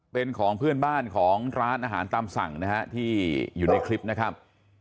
เป็นของเพื่อนบ้านของร้านอาหารตามสั่งนะฮะที่อยู่ในคลิปนะครับ